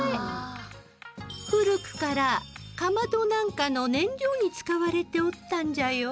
古くから釜戸なんかの燃料に使われておったんじゃよ。